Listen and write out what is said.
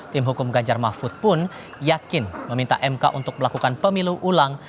tim hukum ganjar mahfud pun yakin meminta mk untuk melakukan pemilu ulang